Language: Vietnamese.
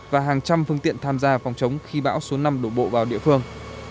và hàng trăm phương tiện tham gia phòng chống khi bão số năm đổ bộ vào địa phương